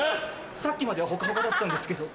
さっきまではホカホカだったんですけど。